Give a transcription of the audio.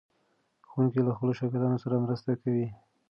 ښوونکی له خپلو شاګردانو سره مرسته کوي.